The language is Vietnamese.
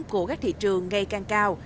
của các thị trường ngày càng cao